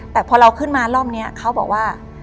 แต่พอเราขึ้นมารอบนี้เขาบอกว่า